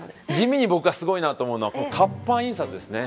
地味に僕がすごいなと思うのは活版印刷ですね。